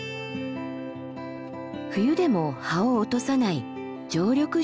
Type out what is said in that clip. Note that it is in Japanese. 冬でも葉を落とさない常緑樹の森。